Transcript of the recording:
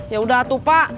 yaudah tuh pak